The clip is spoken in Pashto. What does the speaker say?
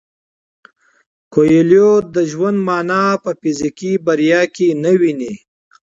کویلیو د ژوند مانا په فزیکي بریا کې نه ویني.